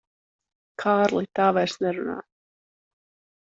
Kārli, tā vairs nerunā.